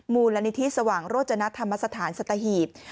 มูลละนิทธิสวังโรจนักฐรมสถานสตหีบ